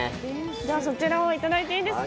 じゃ、そちらをいただいていいですか。